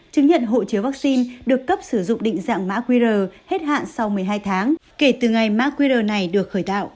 chứng nhận hộ chiếu vaccine được cấp sử dụng định dạng mã qr hết hạn sau một mươi hai tháng kể từ ngày mã qr này được khởi tạo